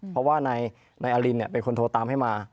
เพราะว่านายอลินเป็นคนโทรตามให้มา